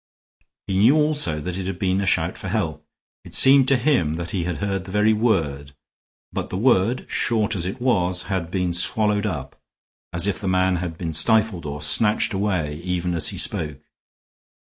He knew also that it had been a shout for help. It seemed to him that he had heard the very word; but the word, short as it was, had been swallowed up, as if the man had been stifled or snatched away even as he spoke.